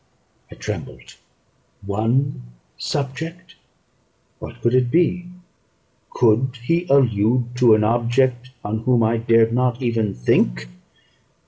I trembled. One subject! what could it be? Could he allude to an object on whom I dared not even think?